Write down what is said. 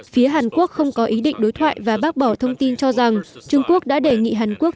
phía hàn quốc không có ý định đối thoại và bác bỏ thông tin cho rằng trung quốc đã đề nghị hàn quốc